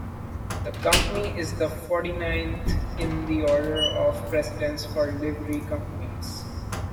The Company is the forty-ninth in the order of precedence for Livery Companies.